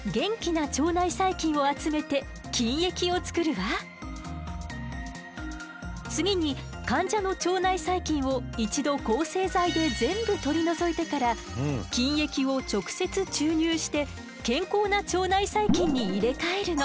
まず次に患者の腸内細菌を一度抗生剤で全部取り除いてから菌液を直接注入して健康な腸内細菌に入れ替えるの。